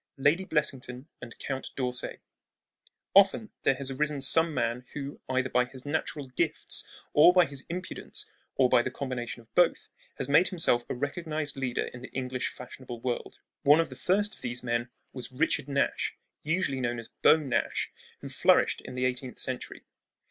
LADY BLESSINGTON AND COUNT D'ORSAY Often there has arisen some man who, either by his natural gifts or by his impudence or by the combination of both, has made himself a recognized leader in the English fashionable world. One of the first of these men was Richard Nash, usually known as "Beau Nash," who flourished in the eighteenth century.